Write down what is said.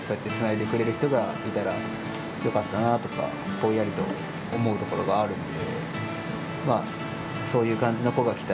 ぼんやりと思うところがあるんで。